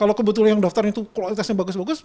kalau kebetulan yang daftar itu kualitasnya bagus bagus